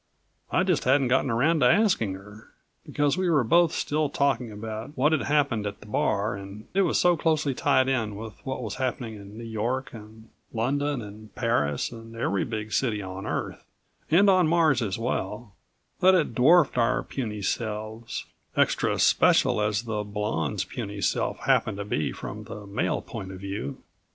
I just hadn't gotten around to asking her, because we were both still talking about what had happened at the bar and it was so closely tied in with what was happening in New York and London and Paris and every big city on Earth and on Mars as well that it dwarfed our puny selves extra special as the blonde's puny self happened to be from the male point of view.